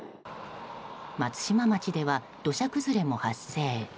松島町では土砂崩れも発生。